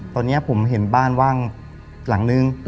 ตอนนี้ผมเห็นบ้านว่างหลังนึง